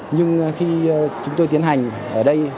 nhưng khi chúng tôi tiến hành ở đây